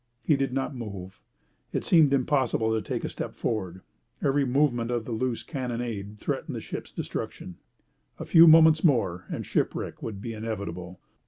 He did not move. It seemed impossible to take a step forward. Every movement of the loose carronade threatened the ship's destruction. A few moments more and shipwreck would be inevitable.